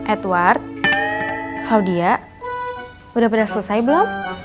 edward claudia udah pada selesai belum